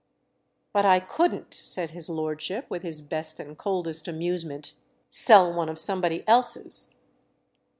"But I couldn't," said his lordship with his best and coldest amusement, "sell one of somebody else's!"